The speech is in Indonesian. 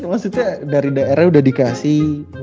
maksudnya dari daerah udah dikasih